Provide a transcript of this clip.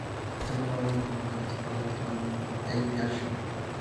Está nombrado en honor de la esposa del astrónomo E. Bianchi.